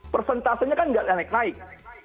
persentasenya kan nggak naik naik